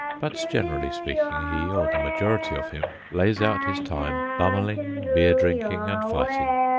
But generally speaking he, or the majority of him, lays out his time bummeling, beer drinking, and fighting.